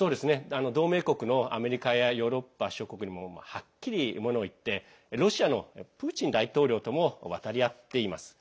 同盟国のアメリカやヨーロッパ諸国にもはっきり、ものを言ってロシアのプーチン大統領とも渡り合っています。